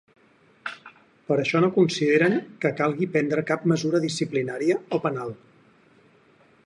Per això no consideren que calgui prendre cap mesura disciplinària o penal.